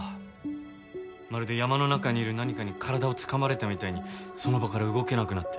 まるで山の中にいる何かに体をつかまれたみたいにその場から動けなくなって。